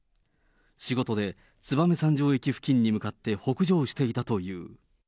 仕事で燕三条駅付近に向かって北上していたという。